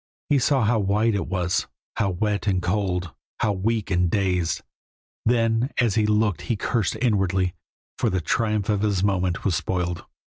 He saw how white it was, how wet and cold, how weak and dazed, then as he looked he cursed inwardly, for the triumph of his moment was spoiled.